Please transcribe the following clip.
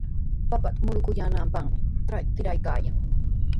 Papata muruyaananpaqmi trakrta tikraykaayan.